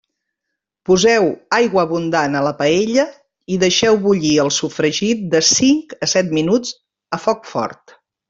Poseu aigua abundant a la paella i deixeu bullir el sofregit de cinc a set minuts a foc fort.